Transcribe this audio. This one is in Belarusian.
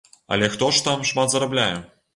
Але хто ж там шмат зарабляе?